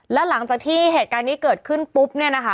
แล้วหลังจากที่เหตุการณ์นี้เกิดขึ้นปุ๊บเนี่ยนะคะ